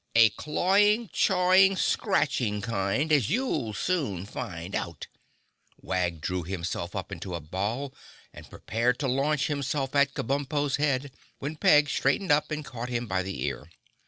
"A clawing, chawing, scratching kind—as you'll soon find out!" Wag drew himself up into a ball and prepared to launch himself at Kabumpo's head, when Peg straightened up and caught him by the ear.